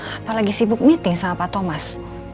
apalagi sibuk meeting sama pak thomas